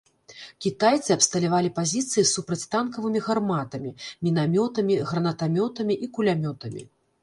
Кітайцы абсталявалі пазіцыі супрацьтанкавымі гарматамі, мінамётамі, гранатамётамі і кулямётамі.